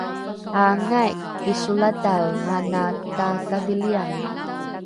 aangai kisolatae ana takadhiliange?